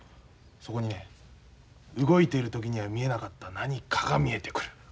そこにね動いている時には見えなかった何かが見えてくる。